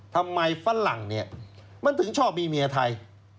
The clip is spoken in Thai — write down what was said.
ฝรั่งเนี่ยมันถึงชอบมีเมียไทย